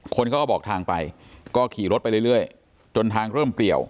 คนเขาก็บอกทางไปก็ขี่รถไปเรื่อยจนทางเริ่มเปลี่ยว